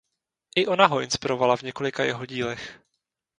I ona ho inspirovala v několika jeho dílech.